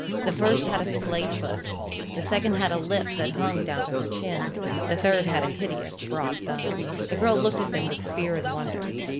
The first had a splayfoot. The second had a lip that hung down on her chin. The third had a hideous broad thumb. The girl looked at them with fear and wonder.